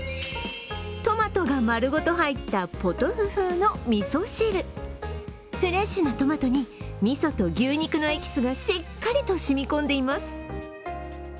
トマトが丸ごと入ったポトフ風のみそ汁、フレッシュなトマトに、みそと牛肉のエキスがしっかりと染み込んでいます。